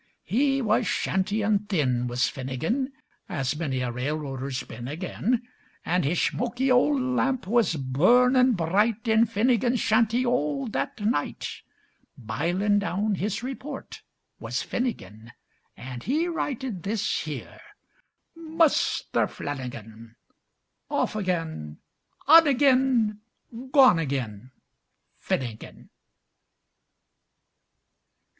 He wuz shantyin' thin, wuz Finnigin, As minny a railroader's been ag'in, An' the shmoky ol' lamp wuz burnin' bright In Finnigin's shanty all that night Bilin' down his repoort, was Finnigin! An' he writed this here: "Muster Flannigan: Off ag'in, on ag'in, Gone ag'in Finnigin."